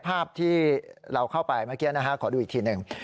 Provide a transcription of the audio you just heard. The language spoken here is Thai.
ภาพที่เราเข้าไปเมื่อกี้นะฮะขอดูอีกทีหนึ่ง